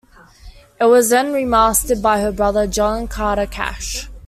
It was then remastered by her brother John Carter Cash.